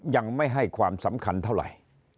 ยังไม่ให้ความสำคัญเท่าไหร่